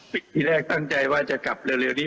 ทีแรกตั้งใจว่าจะกลับเร็วนี้